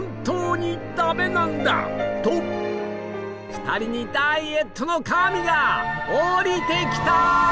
２人にダイエットの神が降りてきた！